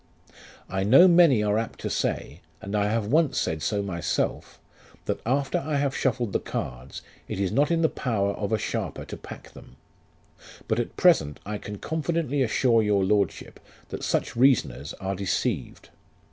I know many are apt to say, and I have once said so myself, that after I have shuffled the cards, it is not in the power of a sharper to pack them; but at present I can confidently assure your lordship that such reasoners are deceived.